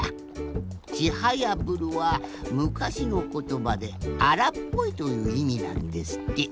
「ちはやぶる」はむかしのことばで「あらっぽい」といういみなんですって。